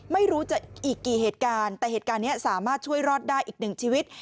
ไม่รู้จะอีกกี่เหตุการณ์แต่เหตุการณ์นี้สามารถช่วยรอดได้อีกหนึ่งชีวิต